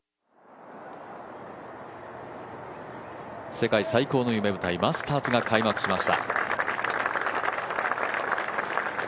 世界最高の夢舞台マスターズが開幕しました。